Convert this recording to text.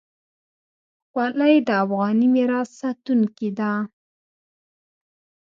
خولۍ د افغاني میراث ساتونکې ده.